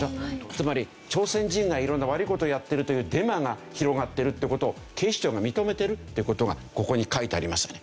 つまり朝鮮人がいろんな悪い事をやってるというデマが広がっているって事を警視庁が認めてるっていう事がここに書いてありますよね。